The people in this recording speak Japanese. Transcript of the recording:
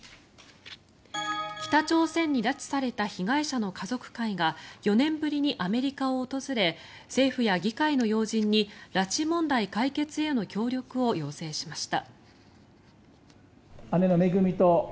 北朝鮮に拉致された被害者の家族会が４年ぶりにアメリカを訪れ政府や議会の要人に拉致問題解決への協力を要請しました。